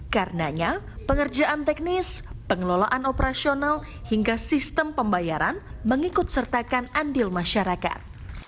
karenanya pengerjaan teknis pengelolaan operasional hingga sistem pembayaran mengikut sertakan andil masyarakat